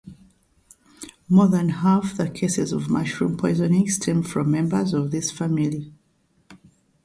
More than half the cases of mushroom poisoning stem from members of this family.